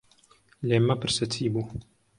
لێم مەپرسە چی بوو.